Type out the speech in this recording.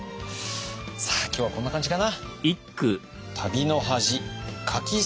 さあ今日はこんな感じかな。